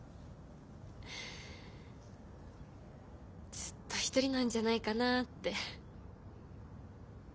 ずっとひとりなんじゃないかなって。